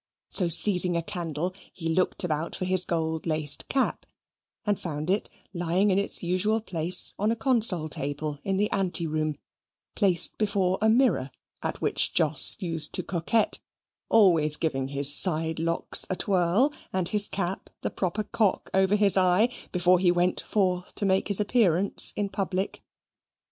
So, seizing a candle, he looked about for his gold laced cap, and found it lying in its usual place, on a console table, in the anteroom, placed before a mirror at which Jos used to coquet, always giving his side locks a twirl, and his cap the proper cock over his eye, before he went forth to make appearance in public.